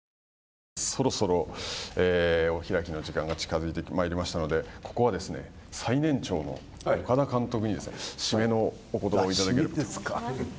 そろそろお開きの時間が近づいてまいりましたのでここはですね、最年長の岡田監督にですね、締めのことばをいただ締めですか。